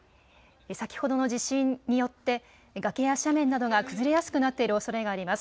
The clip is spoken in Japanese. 先ほどの地震によって崖や斜面などが崩れやすくなっているおそれがあります。